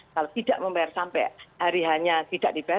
kalau tidak membayar sampai hari hanya tidak dibayar